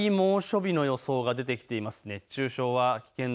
再び猛暑日の予想が出てきています。